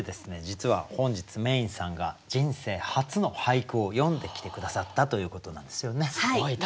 実は本日Ｍａｙ’ｎさんが人生初の俳句を詠んできて下さったということなんですよね。